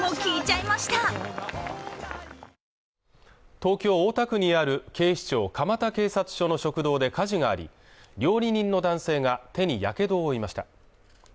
東京・大田区にある警視庁蒲田警察署の食堂で火事があり料理人の男性が手にやけどを負いました